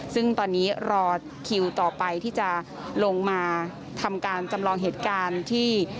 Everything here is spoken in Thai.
ซึ่งตอนนี้รอคิวต่อไปที่จะลงมาทำการจำลองเหตุการณ์ที่